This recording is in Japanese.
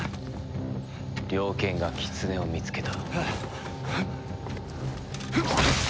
猟犬がキツネを見つけた。